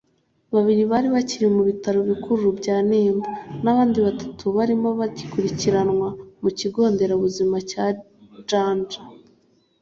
Babiri bari bakiri mu Bitaro Bikuru bya Nemba n’abandi batatu barimo bagikurikiranwa mu Kigo Nderabuzima cya Janja